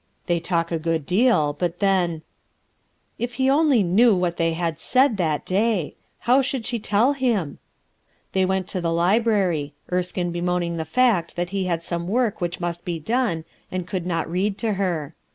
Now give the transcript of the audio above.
They talk a good deal, but then !—" If he only knew what they had said that day! How should she tell him? They went to the library; Erskine bemoaning 00 RUTH ERSKIXE'S SON the fact that be had some work which must be done, and could not read to her.